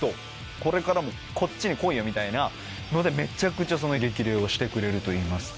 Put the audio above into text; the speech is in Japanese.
これからもこっちに来いよみたいなのでめちゃくちゃ激励をしてくれるといいますか。